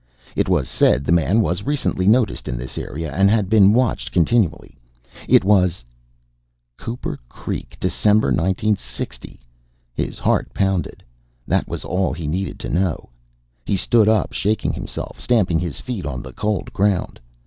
It was said the man was recently noticed in this area and had been watched continually. It was Cooper Creek. December, 1960. His heart pounded. That was all he needed to know. He stood up, shaking himself, stamping his feet on the cold ground.